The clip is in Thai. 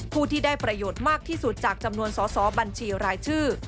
ผู้ที่ได้ประโยชน์มากที่สุดจากจำนวนสอสอบัญชีรายชื่อ